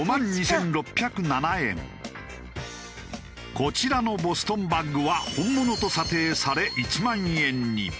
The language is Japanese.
こちらのボストンバッグは本物と査定され１万円に。